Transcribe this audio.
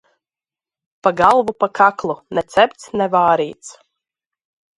Pa galvu, pa kaklu; ne cepts, ne vārīts.